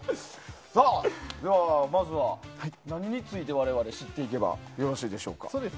では、まずは何について我々は知っていけばよろしいでしょうか。